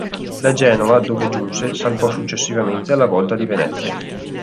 Da Genova, dove giunse, salpò successivamente alla volta di Venezia.